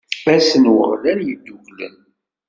Ass n waɣlan yedduklen.